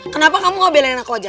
kenapa kamu gak belain aku aja